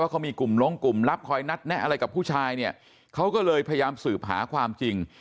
เขามีกลุ่มลงกลุ่มลับคอยนัดแนะอะไรกับผู้ชายเนี่ยเขาก็เลยพยายามสืบหาความจริง